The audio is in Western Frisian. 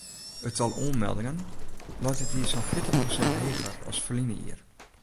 It tal oanmeldingen leit dit jier sa'n fjirtich prosint heger as ferline jier.